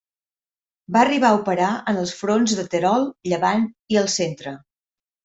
Va arribar a operar en els fronts de Terol, Llevant i el Centre.